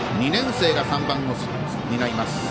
２年生が３番を担います